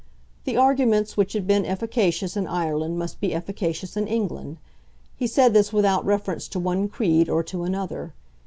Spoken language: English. The arguments which had been efficacious in Ireland must be efficacious in England. He said this without reference to one creed or to another.